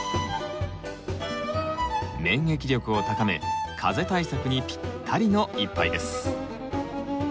免疫力を高め風邪対策にぴったりの一杯です。